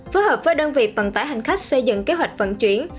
phối hợp với đơn vị vận tải hành khách xây dựng kế hoạch vận chuyển